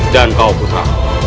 dan kau putra